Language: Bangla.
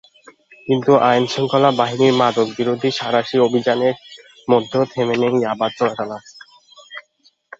কিন্তু আইনশৃঙ্খলা বাহিনীর মাদকবিরোধী সাঁড়াশি অভিযানের মধ্যেও থেমে নেই ইয়াবা চোরাচালান।